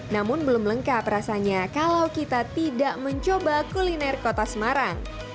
namun belum lengkap rasanya kalau kita tidak mencoba kuliner kota semarang